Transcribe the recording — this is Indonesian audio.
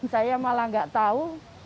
saya malah tidak tahu